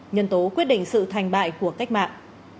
nhân tố quyết định sự thành bại của cách mạng